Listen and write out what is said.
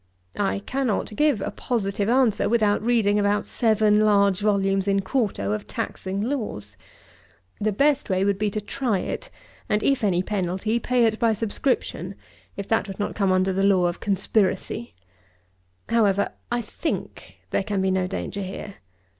I cannot give a positive answer without reading about seven large volumes in quarto of taxing laws. The best way would be to try it; and, if any penalty, pay it by subscription, if that would not come under the law of conspiracy! However, I think, there can be no danger here.